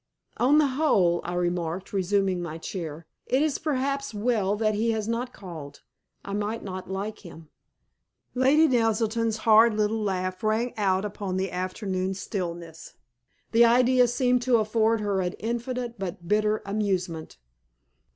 "On the whole," I remarked, resuming my chair, "it is perhaps well that he has not called. I might not like him." Lady Naselton's hard little laugh rang out upon the afternoon stillness. The idea seemed to afford her infinite but bitter amusement.